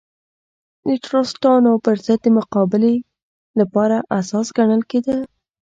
د ټراستانو پر ضد د مقابلې لپاره اساس ګڼل کېده.